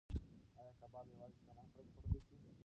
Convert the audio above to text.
ایا کباب یوازې شتمن خلک خوړلی شي؟